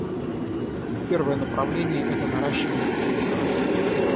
Первое направление — это наращивание потенциала.